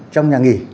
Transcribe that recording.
trong nhà nghỉ